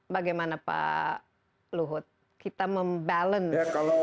bagaimana pak luhut kita membalance